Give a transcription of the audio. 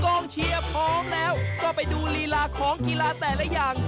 กองเชียร์พร้อมแล้วก็ไปดูลีลาของกีฬาแต่ละอย่าง